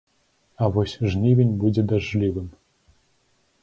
А вось жнівень будзе дажджлівым.